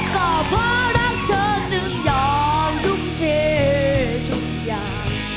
ก็เพราะรักเธอจึงยอมทุ่มเททุกอย่าง